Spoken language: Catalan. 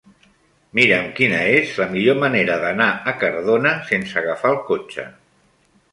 Mira'm quina és la millor manera d'anar a Cardona sense agafar el cotxe.